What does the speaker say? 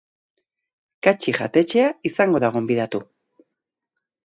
Katxi jatetxea izango da gonbidatu.